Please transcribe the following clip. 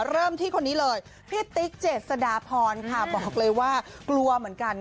เริ่มที่คนนี้เลยพี่ติ๊กเจษฎาพรค่ะบอกเลยว่ากลัวเหมือนกัน